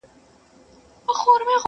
ته کم عقل ته کومول څومره ساده یې.!